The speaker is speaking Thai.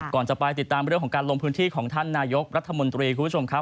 ก่อนจะไปติดตามเรื่องของการลงพื้นที่ของท่านนายกรัฐมนตรีคุณผู้ชมครับ